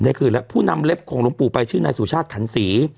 คืนแล้วผู้นำเล็บของหลวงปู่ไปชื่อนายสุชาติขันศรี